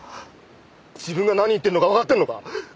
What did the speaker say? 自分が何言ってるのかわかってるのか？